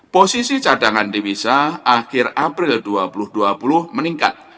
posisi cadangan devisa akhir april dua ribu dua puluh meningkat